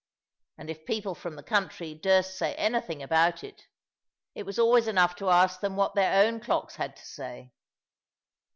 And if people from the country durst say anything about it, it was always enough to ask them what their own clocks had to say.